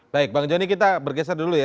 baik bang joni kita bergeser dulu ya